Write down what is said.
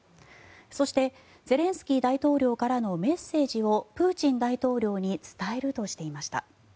そしてゼレンスキー大統領からのメッセージをプーチン大統領に伝えるとしていました。